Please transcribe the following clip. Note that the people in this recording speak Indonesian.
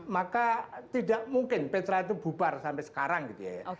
maka tidak mungkin petra itu bubar sampai sekarang gitu ya